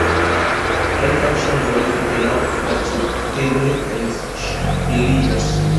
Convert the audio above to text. Kelkaj ŝanĝoj apenaŭ percepteble enŝteliĝas.